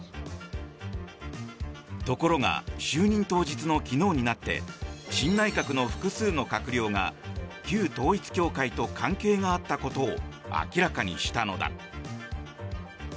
ところが就任当日の昨日になって新内閣の複数の閣僚が旧統一教会と関係があったことを明らかにしたのだ。